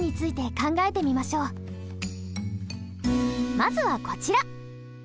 まずはこちら。